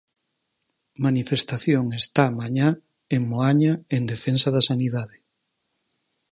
Manifestación está mañá en Moaña en defensa da sanidade.